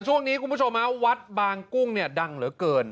ช่วงนี้คุณผู้ชมฮะวัดบางกุ้งเนี่ยดังเหลือเกิน